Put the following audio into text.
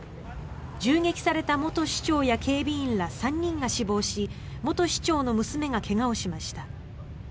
銃撃された元市長や警備員ら３人が死亡し元市長の娘が怪我をしました。